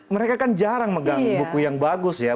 mereka kan jarang megang buku yang bagus ya